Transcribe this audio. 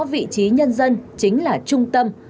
vị trí nhân dân chính là trung tâm